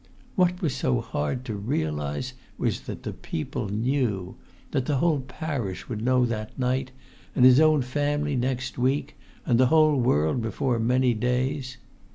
What was so hard to realize was that the people knew! that the whole parish would know that night, and his own family next week, and the whole world before many days.